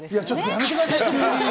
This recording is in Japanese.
やめてください。